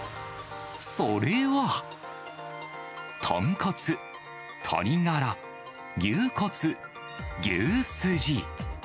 それは、豚骨、鶏がら、牛骨、牛すじ。